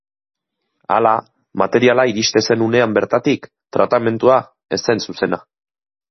Hala, materiala iriste zen unean bertatik, tratamentua ez zen zuzena.